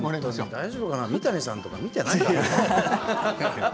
大丈夫かな三谷さんとか見ていないかな？